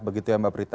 begitu ya mbak prita